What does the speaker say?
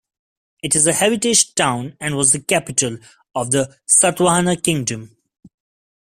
It is a heritage town and was the capital of the Satavahana Kingdom.